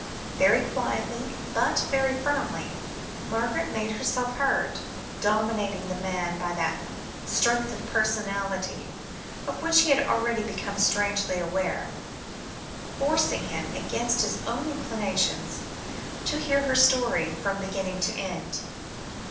Very quietly, but very firmly, Margaret made herself heard, dominating the man by that strength of personality, of which he had already become strangely aware; forcing him, against his own inclinations, to hear her story, from beginning to end.